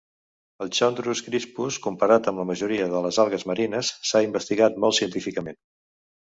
El "Chondrus crispus", comparat amb la majoria de les algues marines, s'ha investigat molt científicament.